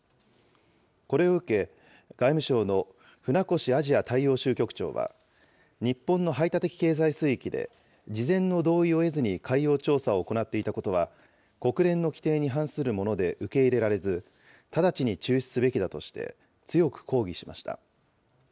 これを受け、外務省の船越アジア大洋州局長は、日本の排他的経済水域で、事前の同意を得ずに海洋調査を行っていたことは、国連の規定に反するもので受け入れられず、直ちに中止すべきだとして、強く抗議しました。